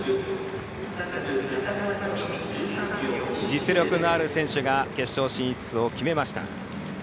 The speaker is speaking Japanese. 実力のある選手が決勝進出を決めました。